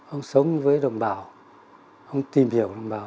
ông sống với đồng bào không tìm hiểu đồng bào